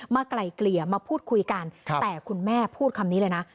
ไกลเกลี่ยมาพูดคุยกันแต่คุณแม่พูดคำนี้เลยนะ